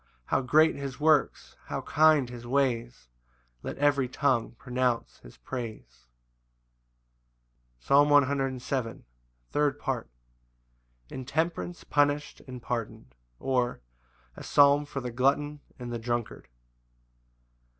How great his works! how kind his ways! Let every tongue pronounce his praise. Psalm 107:3. Third Part. Intemperance punished and pardoned; or, A psalm for the glutton and the drunkard.